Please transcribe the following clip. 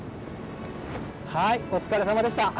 はいお疲れさまでした。